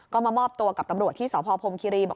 ก็มามอบตัวกับตำรวจที่สพพรมคิรีบอก